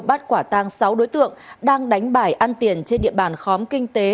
bắt quả tang sáu đối tượng đang đánh bài ăn tiền trên địa bàn khóm kinh tế